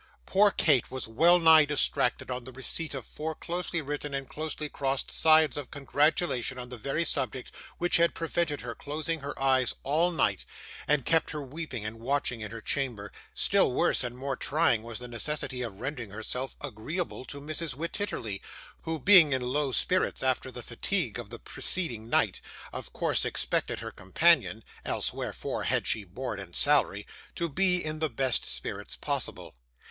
Poor Kate was well nigh distracted on the receipt of four closely written and closely crossed sides of congratulation on the very subject which had prevented her closing her eyes all night, and kept her weeping and watching in her chamber; still worse and more trying was the necessity of rendering herself agreeable to Mrs. Wititterly, who, being in low spirits after the fatigue of the preceding night, of course expected her companion (else wherefore had she board and salary?) to be in the best spirits possible.